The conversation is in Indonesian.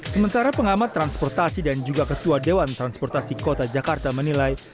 sementara pengamat transportasi dan juga ketua dewan transportasi kota jakarta menilai